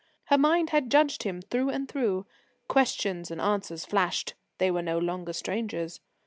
Her mind had judged him through and through. Questions and answer flashed. They were no longer strangers.